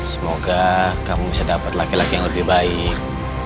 semoga kamu bisa dapat laki laki yang lebih baik